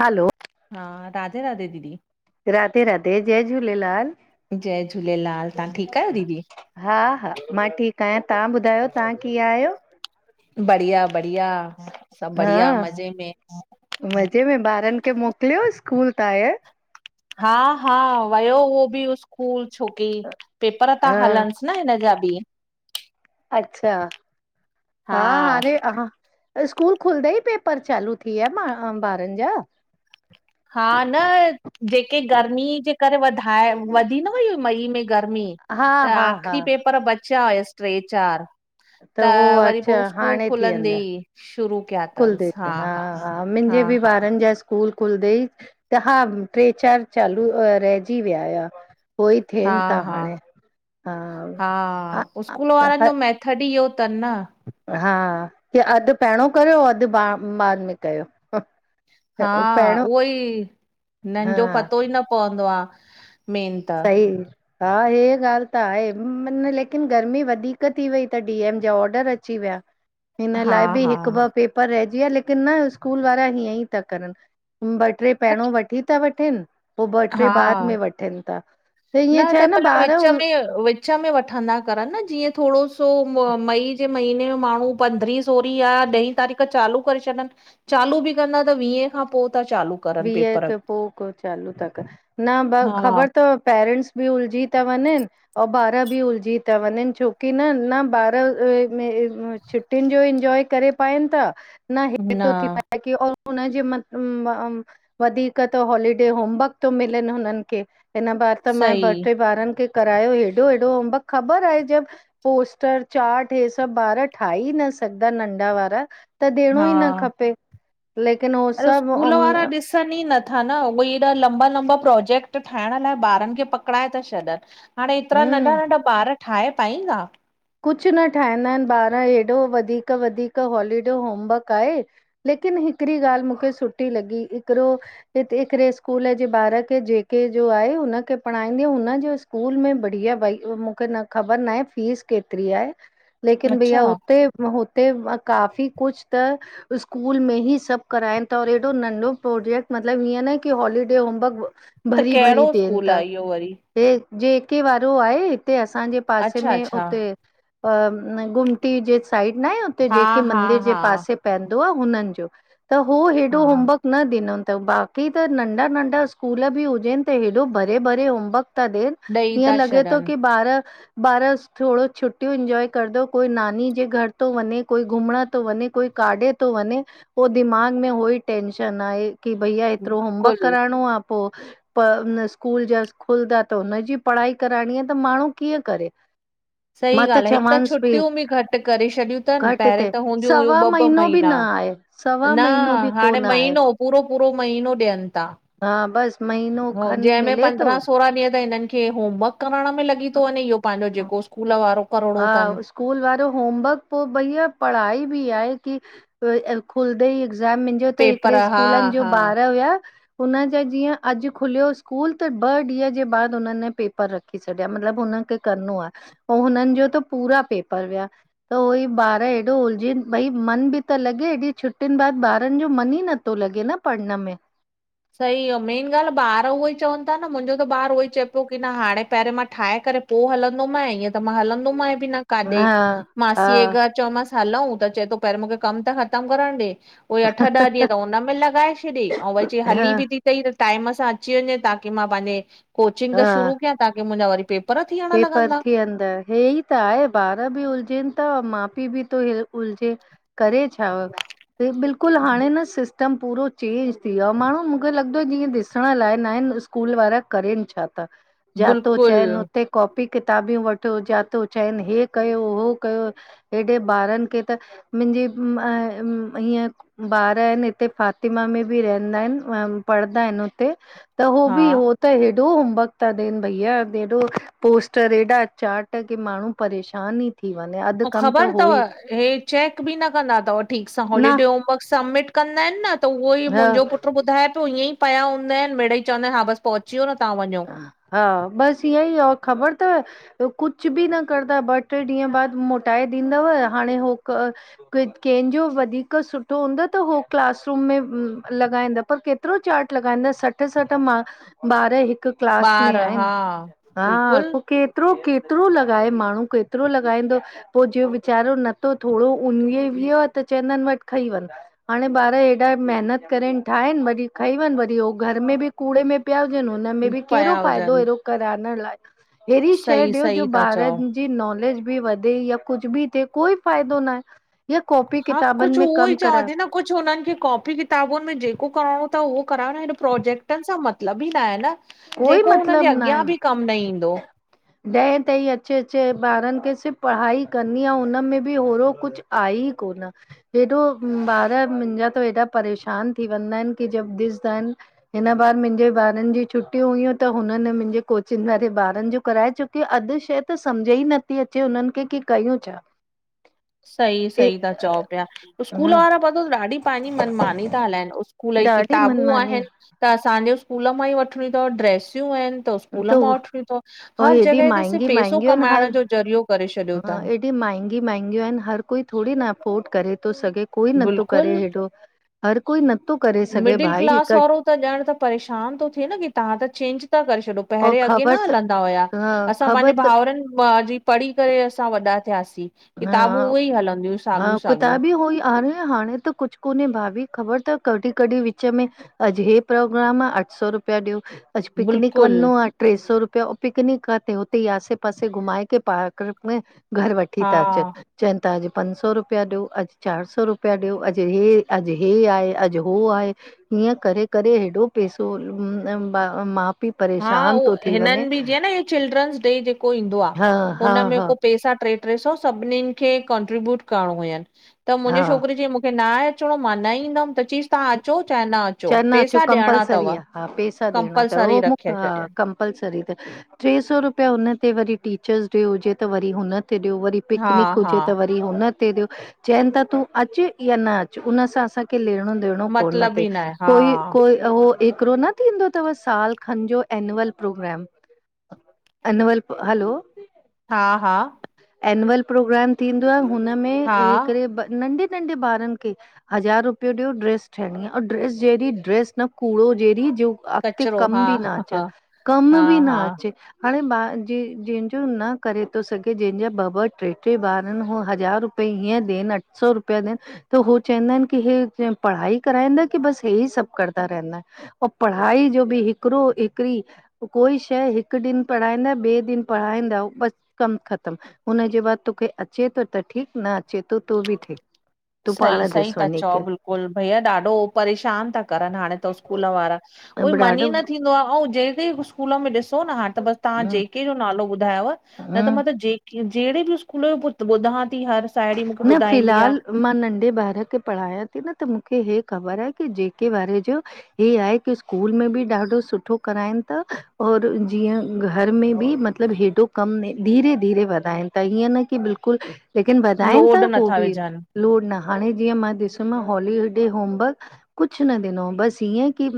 हलो हा, राधे राधे दीदी। राधे राधे, जय झूलेलाल। जय झूलेलाल तव्हां ठीक आहियो दीदी? हा-हा मां ठीक आहियां तहां ॿुधायो तहां कीअं आहियो? बढ़िया बढ़िया सब बढ़िया हा, मज़े में। मज़े में ॿारन खे मोकिलियो स्कूल ता हिंअर? हा, हा वयो उहो बि स्कूल, छोकि पेपर था हा, हलंस। न, हिन जा बि। अच्छा! हा हाणे स्कूल खुलंदे ही पेपर चालू थी विया ॿारनि जा? हा न जेके गर्मी जे कर वधाए वधी न वइ हुई, मई में गर्मी हा त हा हा, आख़िरी पेपर ब बचा हुयस ट्रे चार। त हो वरी पो अच्छा स्कूल हाणे थी खुलंदे वेंदा। ही शुरू कया खुलदे तंस। ते, हा हा हा, मुंहिंजे बि ॿारनि जा स्कूल स्कूल खुलंदेई त हा ट्रे चार चालू, रहिजी विया हुया। उहो ई थियनि था हा- हा हाणे, -हा, स्कूल हा। वारनि जो मेथड ही इहो तन न। हा की अधु पहिरियो कयो, अधु बाद में कयो। हा, पहिरियों उहोई हा हिनंजो पतो ही न पवंदो आ मेन त। सही हा, हे ॻाल्हि त आहे, लेकिन गर्मी वधीक थी वई त डी एम जा ऑडर अची विया। हिन हा लाइ बि हा। हिक ॿ पेपर रहिजी विया, लेकिन न स्कूल वारा हीअं ही था करन। ॿ ट्रे पहिरियों वठी था वठनि पो ॿ ट्रे बाद हा। में वठनि। था न ईअं छा त आहे मतलब ॿार विच में विच में वठंदा करन न जीअं, थोरो सो मई जे महिने में माण्हू पंड्रि सोरी या ॾहीं तारीख़ चालू करे छॾनि, चालू बि कंदा त वीहे खां पो था चालू करनि बीए पेपर। ख पो को चालू ता कराईन, न ब हा। ख़बर तव पेरेंट्स बि उलझी ता वञनि। अऊं ॿार बि उलझी ता वञनि, छोकी न न ॿार अ में छुटियुनि जो इंजॉय करे पाइनि ता न हिते तो थी पाए की ओर हुनजे म म वधीक त हॉलीडे होमवर्क तो मिलेनि हुननिखे, हिन बार त मां सही ॿ ट्रे ॿारनि खे करायो हेॾो हेॾो होमवर्क ख़बर आहे जब पोस्टर चार्ट हे सभु ॿार ठाहे ही न सघंदा नंढा वारा त ॾियणो ई न हा। खपे, लेकिन उहो सभु ॿुधन ई नथा न उहोई हेॾा लंबा लंबा प्रोजेक्ट ठाहिण लाइ ॿारनि खे पकड़ाए ता छॾनि। त हाणे हेतिरा नंढा-नंढा ॿार ठाहे पाईंदा? कुछु न ठाहींदा आहिनि ॿार, एॾो वधीक वधीक हॉलीडे होमवर्क आहे। लेकिन हिकिड़ी ॻाल्हि मूंखे सुठी लॻी हिकिड़ो हिते हिकिड़े स्कूल जे ॿार खे जेके जो आहे, हुनखे पढ़ाईंदी हुनजे स् स्कूलु में बढ़िया भाई मूंखे न ख़बर न आहे फीस केतिरी आहे। लेकिन भईया अच्छा हुते हुते काफ़ी कुझु त स्कूलु में ई सभु कराइनि ता और एॾो नंढो प्रोजेक्ट मतिलबु हिय न की हॉलीडे होमवर्क त कहिड़ो भरी-भरी देन स्कूल ता। आहे इहो वरी हे जेके वारो आहे हिते असांजे पासे अच्छा में उ अच्छा उते अ घुमटी जे साइड न आहे उते हा जेके हा मंदिर जे हा पासे पंएदो आ हुननिजो त हो हेॾो हा होमवर्क न ॾिनो तऊं बाक़ी त नंढा-नंढा स्कूलु बि हुजेनि त हेॾो भरे भरे होमवर्क ता ॾेनि। ॾेई हिय था लॻे तो छॾनि की ॿार ॿार थोडो छुटियूं इंजॉय कंरदो, कोई नानी जे घर तो वञे, कोई घुमण तो वञे, कोई काॾे तो वञे। पो दिमाग़ में होई टेंशन आहे, की भईया एतिरो होमवर्क बिल्कुलु कराइणो आ पो प उन स्कूलु जा खुलंदा त हुनजी पढ़ाई कराइणी आहे त माण्हू कीअं करे? सही मां ॻाल्हि आहे, हिकु त चवांसि पई छुटियूं बि घटि करे छॾियूं तनि, घटि पहिरेंं ते त हूंदीयूं हुयूं सवा ॿ ॿ महीनो बि न महीना। आहे सवा न, महीनो बि हाणे कोन आहे महीनो पूरो पूरो महीनो ॾियनि ता। हा बसि महीनो हो खनि जंहिंमें मिले थो पंद्रहां सोरहां ॾींहं त हिननिखे हे होमवर्क करणु में लॻी तो वञे इहो पांजो हा जेको स्कूल वारो। करिणो तन हा, स्कूल वारो होमवर्क पो भईया पढ़ाई बि आहे की वई ऐं खुलंदे ई एक्ज़ाम, मुंहिंजो त पेपर हिकिड़े हा स्कूलनि जो हा ॿार हुया हुनजा जीअं अॼु खुलियो स्कूलु, त ॿ ॾींहं जे बाद हुननि पेपर रखया। रखी छॾिया, मतिलबु हुनखे करिणो आ, पो हुननिजो त पूरा पेपर विया। त उहोई ॿार एॾो उलझीनि, भई मन बि त लॻे एॾी छुटियुनि बाद ॿारनि जो मन ही न तो लॻे न पढ़न में। सही आ मेन ॻाल्हि ॿार उहोई चवनि ता न, मुंहिंजो त ॿारु उहो ई चए पियो की न हाणे पहिरियों मां ठाहे करे पो हलंदो मांए, ईअं त मां हलंदो मांए बि न काॾे, हा हा मासीअ घरु चौमांसि हलऊ, त चए तो पहिरियों मूंखे कमु त ख़तमु करणु ॾे। पोई अठ ॾह ॾींहुं त हुनमें लॻाए छॾेई, अऊं वरि चई हा हली बि की तई त टाइम सां अची वञे। ताकी मां पंहिंजे कोचिग त हा शुरू कयां ताकी मुंहिंजा वरी पे पेपर थीअंदय हे ई हे त आहे ॿारह बि उलझेनि ता, माउ पीउ बि तो हे उलझे। करे छा हो, हे बिल्कुलु हाणे न सिस् सिस्टम पूरो चेंज थी वियो आ, माण्हू मूंखे लॻंदो जीअं ॾिसण लाइ न आहिनि, स्कूल वारा करेनि छा ता? जंहां तूं चवनि बिल्कुलु हुते कॉपी-किताबियूं वठो जहां तो चवनि हे कयो हो कयो हेॾे ॿारनि खे त मुंहिंजी हीअं ॿार आहिनि हिते फातिमा में बि रहंदा आहिनि ऐं पढ़ंदा आहिनि हुते त हो बि हा हो त हेॾो होमवर्क था ॾेनि भईया हेॾो पोस्टर एॾा चार्ट की माण्हू परेशान ई थी वञे ऐं अधि कम ख़बर त हो अथव ई हे चैक बि न कंदा अथव ठीकु सां न हॉलीडे होमवर्क सबमिट कंदा आहिनि न त उहो ई हा मुंहिंजो पुट ॿुधाए पियो ईअं ई पया हूंदा आहिनि मेड़ ई चवंदा आहिनि हा बसि पहुची वियो न तव्हां वञो। हा, ॿसि ईंअ ई आहे ख़बर अथव कुझु बि न कंदा ॿ टे ॾींहं बाद मोटाए ॾींदव हाणे हो क कंहिंजो वधीकर सुठो हूंदो त हो क्लासरूम में लॻाईंदा पर के केतिरो चार्ट लॻाईंदा सठ सठि माँ ॿार हिकु क्लास में ॿार हा आहिनि। हा, बिल्कुलु पोइ केतिरो केतिरो लॻाए माण्हू केतिरो लॻाईंदो पोइ जे वीचारो नथो थोरो उन वियो आ त चवंदा आहिनि वठी खई वञि। हाणे ॿार हेॾा मेहिनत करनि ठाहिनि, वरी खनि वञि वरी उहो घरु में बि कूड़े में पिया हुजनि हुनमें बि कहिड़ो पिया फ़ाइदो हुजनि अहिड़ो कराइण लाइ? अहिड़ी शइ सही ॾियो जो सही था चओ ॿारनि जी नॉलेज बि वधे या कुझु बि थिए कोई फ़ाइदो न आहे या हा कॉपी-किताबनि कुझु में उहो ई कमु चवां करायो। थी न कुझु हुननि खे कॉपी-किताबुनि में जेको करणो अथव उहो कराइणो हे प्रोजेक्टनि सां मतिलबु ई न आहे न। कोई जेको हुन जे मतिलबु अॻियां बि कमु न ईंदो। ॾह ताईं अचे अचे ॿारनि खे सिर्फ़ु पढ़ाई करणी आहे हुननि में बि ओहिड़ो कुझु आहे ई कोन। हेॾो ॿार मुंहिंजा त हेॾा परेशान थी वेंदा आहिनि की जब ॾिसंदा आहिनि हिन ॿार मुंहिंजे ॿारनि जी छुट्टी छुट्टियूं हुयूं त हुननि मुंहिंजे कोचिंग वारे ॿारनि जो कराए छोकी खे अधि शइ त सम्झ ई नथी समझ में नथी अचे उन्हनि खे की कयूं छा? सही ए सही ता चऊं पिया। स्कूल ह वारा पतो अथव ॾाढी पंहिंजी मनमानी था हलाइनि स्कूल जी ॾाढी किताबूं मनमानी आहिनि त असांजे स्कूल मां ई वठिणियूं अथव ड्रैसियूं आहिनि त स्कूल मां वठणी अथव हर हेॾी जॻहि ॾिस महांगी सिर्फ पैसो महांगियूं कमाइण जो ज़रियो करे छॾियो अथनि। हेॾी महांगियूं महांगियूं आहिनि हर कोई थोरी न अफोर्ड करे थो सघे, कोई नथो करे बिल्कुलु हेॾो। हर कोई नथो करे सघे मिडिल भाई क्लास हिकु वारो त ॼणा त परेशान थो थिए न की तव्हां त चेंज था करे छॾो। और पहिरें अॻे न ख़बर त हलंदा हुआ, ह असां पंहिंजे ख़बर त भाउरनि जी पढ़ी करे असां वॾा थियासीं। किताबूं उहे ई हलंदियूं साॻियूं हा-हा, साॻियूं किताबी हो ई आ री ह हाणे त कुझु कोन्हे भाभी ख़बर अथव कॾहिं कॾहिं विच में अॼु हे प्रोग्राम आहे अठ सौ रुपिया ॾियो, अॼु पिकनिक बिल्कुलु वञो आ टे सौ रुपिया पिकनक काथे होते ई आसे पासे घुमाए करे पार्निक में घरु वठी वठी था हा अचनि। चवनि था अॼु पंज सौ रुपया ॾियो, अॼु चारि सौ रुपया ॾियो, अॼु हे-अॼु हे आहे, अॼु उहो आहे। हीअं करे-करे हेॾो पैसो मा हा, उहो हिननि बि जीअं न इहो चिल्ड्रनस डे जेको ईंदो हा आहे हा हुन में हा को पैसा टे टे सौ सभिननिनि खे कॉन्ट्रीब्यूट करणो हुयनि त हा मुंहिंजे छोकिरी चईं मूंखे न आहे अचणो, मां न ईंदमि त च्यंईस तहां अचो चाहे न अचो चवंदा अचो पैसा ॾियणा तव। कंपलसरी आ हा पेसा ॾियणां तव कंपलसरी हो मुक ह रखे कं छॾियनि कंपल सरी त, ट्रे सौ रूपया उनते वरी टीचर्स डे हुजे त वरी हुनते ॾियो वरी हा पिकनिक हा हुजे त वर री हुनते ॾियो चएनि ता तूं अचु या न अचु उनसां असांखे लेणो ॾियणो कोन मतिलब ते ई न आहे हा कोई -कोई त उहो हिकिड़ो न थींदो तव साल खनि जो एन्युअल प्रोग्राम अनुवल हलो हा हा एनुवल प्रोग्राम थींदो आहे हुनमें हा हिकड़े ब नंढेे नंढे ॿारनि खे हज़ार रुपियो ॾियो ड्रेस ठहणी आ अंउं ड्रेस जहिड़ी ड्रेस न कूड़ो जहिड़ी जो अगिते कचिरो कम हा बि न अचेहां हा कमु बि हा न हा अचे। हाणे ॿा ज जंहिंजो न करे तो सघे जंहिंजा ॿ- ॿ, ट्रे- ट्रे ॿार इनि हू हज़ार रुप हींयं ॾेनि अठ सौ रुपया ॾेनि त हो चएंदा इनि की हे कीयं पढ़ाई कराईंदा कि बस हेई सभु करदा रहिन्दा अंउ पढ़ाई जो बि हिकिड़ो हिकड़ी कोई शंए हिकु ॾींहुन पढ़ाईंदा ॿिए ॾींहुन पढ़ाईंदा बसि कम ख़तमु हुनजे बाद तोखे अचे तो त ठीक न अचे तो तो बि ठीक सही सही ता चओ बिल्क कुल भैया ॾाढो परेशान ता करनि हाणें त स्कूल वारा, उहोई करे मन ही ॾाढो न थी दो आ, अंउं जेके स्कूल में ॾिसो न हाण त बस तहां हम्म जेके जो नालो ॿुधायुव न त हम्म मां त जेक जहिड़े बि सकूल यो बुधा ती हर साहेड़ी मूंखे न ॿुधाईंदी आ फ़िलहाल मां नंढे ॿार खे पढ़ायां ती न त मुखे हे ख़बर आहे की जेके वारे जो हे आहे की स्कूल में बि ॾाढो सुठो कराइनि ता और जीअं घर में बि मत मतिलब हेॾो कमु धीरे- धीरे वधाइनि ता हीयं न की बिल्कुलु लेकिन वधाइनि ता लोड हो नथा बि विझनि लोड न हाणें जीअं मां ॾिसु न हॉली डे होमवर्क कुझुऊ न ॾिनंउं बसि हींयं की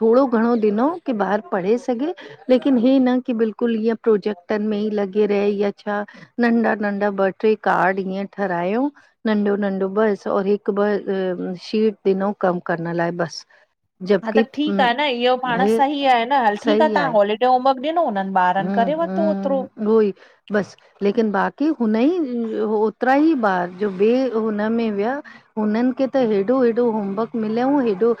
थोड़ो घणों ॾिनंउं की ॿारु पढ़े सघे लेकिन ही न की बिल्कुलु ईअं प्रोजेक्टनि में ई लॻे रहे या छा नंढा -नंढा ॿ ट्रे कार्ड ईंयं ठारायंउं नंढो- नंढो बस और हिकु ॿ शीट ॾिनंउ कम करण लाए बसि हा जबकि त ठीक आ न इह्यो पांण हे सही आहे न हल ठीक आ सही तहां आहे हॉलीड डे होमवर्क ॾिनो हुननि ॿारनि करे वतो ओतिरो। उहोई बसि। लेकिन बाक़ी हुन ई होतिरा ही ॿार जो ॿिए हुनमें हुया हुननि खे त हेॾो- हेॾो होमवर्क मिलियंऊ हेॾो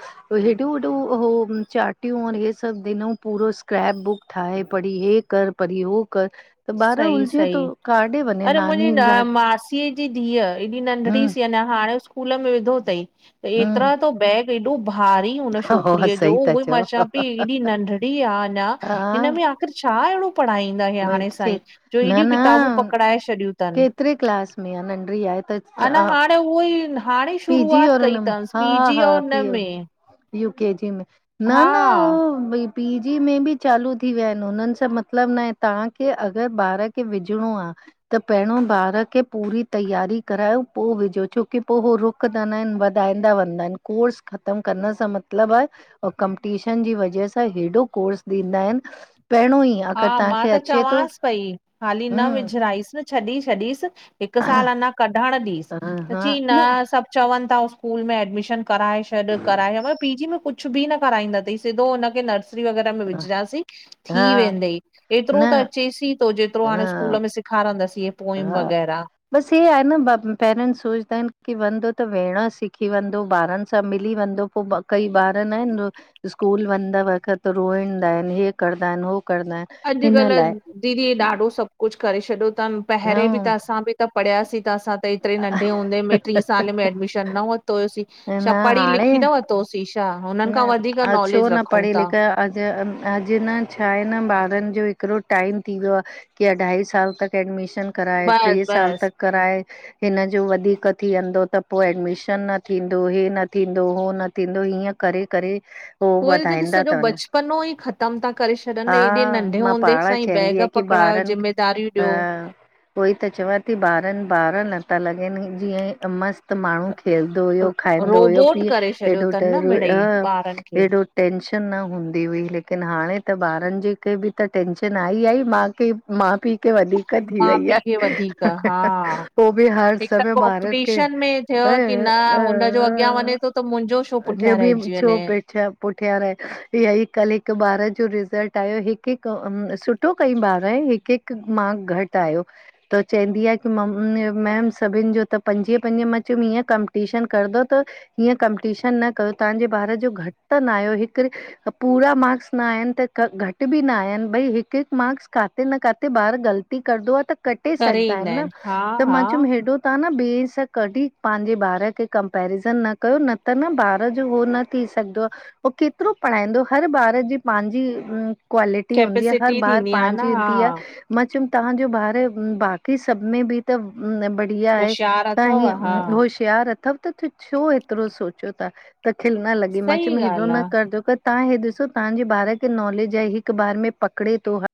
हेडो वडो हो चाटियूं और इह्ये सभु ॾिनऊ पूरो स्क्रेप बुक ठाहे पढ़ी हे कर पढी हो कर त ॿार उलझे तो कार्ड अडरे मुंजी न मासीअ जी धीअ एॾी नंढड़ी हूं सीं अञां हाणे स्कूल स्कूल में विधो तई त एतिरा हम्म तो बैग एॾो भारी उन हा छोकिरीअ जो सही था उहोई चओ मां चवां पई एॾी नंढड़ी आ अंञां हा हिनमें आख़िर छा अहिड़ो पढ़ाईंदा हे हाणे स साईं बसि जो न हेॾियूं न किताबूं पकड़ाए छॾियूं तनि, केतिरे क्लास में आ नंढड़ी आहे अना हाणे त उहोई हाणे पी जी शुरूआत और कई हुनमें, अथसि हा- पीजी हा और हुन पियो। में यूकेजी में। हा पी जी में बि चालू थी विया आहिन, हुननि सां मतिलबु न आहे, तव्हांखे अगरि ॿार खे विझणो आ त पहिरियों ॿार खे पूरी तैयारी करायो, पो विझो छोकि पो हो रुख कंदा न आहिन, वधाईंदा वेंदा आहिन। कोर्स ख़तम करण सां मतिलब आहे और कंमपिटीशन जी वजह सां हेॾो कोर्स ॾींदा आहिन, पहिंड़ों ई हा अगरि मां तव्हांखे त अचे थो चंवास पई, हाली न हम्म विझ राईस, छॾी छॾीस हिकु साल अंञा कढणु ॾीस, त चंई न सब चवनि था स्कूल में एडमिशन कराए छॾ- कराए छॾ, म पी जी में कुझु बि न कराईंंदा थई, सिधो हुनखे नर्स नर्सरी वगैरह में विझीदासिं। थी हा वेंदो, न एतिरो त अचेस थो जेतिरो हाणे सकूल में सिखारंदस हे पोयम हा वगैराह। बसि हे आहे न पेरेंट्स सोचंदा आहिन कि वेंदो त वेहण सिखी वेंदो, ॿारनि सां मिली वेंदो। पो कई ॿार न आहिन स्कूल वंञण वक़्त रोईंदा आहिनि, हे कंदा आहिन हो कंदा आहिन। अॼुकल्ह दीदी ॾाढो सब कुछु करे छॾियो थनि। पहिंरें बि त असां बि त पढ़ियासीं त असां त एतिरी नंढे हूंदे में टीं साले में एडमिशन न वरितो हुयोसीं। ह न छा पढ़ी हाणे लिखी न वरतो हो सीं छा! हुननि खां वधीक नॉलेज रखूं था। ज अॼु न छा आहे न ॿारनि जो हिकिड़ो टाइम थी वियो आ कि अढाई साल तक एडमिशन कराए, बसि ट्रे साल बसि तक कराए। हिनजो वधीक थी वेंदो त पो एडमिशन न थींदो, हे न थींदो उहो न थींदो हीअं करे- करे पो उहे त वधाईंदा सॼो ता वंञन, बचपनो ई ख़तम था करे हा छॾनि एॾे नंढे मां हूंदे पाण सां ई चअंदी बैग आहियां कि कि पकड़ायो बारनि अ ज़िमेदारियूं उएई त चवां थी ॿारनि- ॿार नथा लॻनि जीअं ई मस्तु त माण्हू खेलदो हुयो, ॾियो खाईंदो हुयो, रोबोट पी करे छॾियो हेॾो अथनि न मिड़ई ॾर ॿारनि खे हेॾो टेंंशन न हूंदी हुई लेकिन हाणे त ॿारनि जे खे बि त टेंंशन आए इ आए, माउ खे माउ पीउ के वधीक थी माउ वई आ। पीउ खे वधीक हा उ बि हर समय ॿारनि खे थ्यो कि न, हुनजो अॻियां वंञे थो त मुंहिंजो शो अञा पुठियां रहजि बि छो पे त पुठियां रहे। इयही कल हिकु ॿार जो रिज़ल्ट आयो, हिकुहिकु सु सुठो कईं ॿार ऐं हिकु हिकु मार्क घटि आयो, त त चवंदी आहे कि मम मैम सभिन जो त पंजवीअ पंजवीअ, मां चयोम हीअं कौम्पिटीशन कंदो त हीअं कंमपिटीशन न कयो, तहांजे ॿार जो घटि त न आहियो, हिकुड़े पूरा मार्क्स न आया आहिन त घटि बि न आया आहिनि, भई हिक हिकु मार्क्स, काथे न काथे ॿार ग़लती कंदो आहे त कटे करे छॾंदा ईंदा आहिन न आहिनि हा त हा मां चयमि हेॾो तव्हां न ॿिए सां कॾहिं पंहिंजे ॿार खे कंपेरिज़न न कयो न त न ॿार न थी सघंदो आहे। हो केतिरो पढ़ाईंदो, हर ॿार जी पंहांजी क्वालिटी हूंदी आ, हर कैपेसिटी बार थींदी आ न पाणजी हा हूंदी आहे। मां चयमि तहांजो ॿार बाक़ी सब में बि त आहे, होशियार तां अथव हा हिंअ होश प्यार अथव त छो एतिरो सोचो था त खिलण लॻी, मां सही चयोम हेॾो ॻाल्हि आ। न करजो क तंहां ही ॾिसो तहांजे ॿार खे नॉलेज आहे, हिक बार में पकिड़े थो, हा